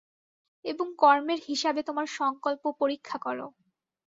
এবং কর্মের হিসাবে তোমার সংকল্প পরীক্ষা করো।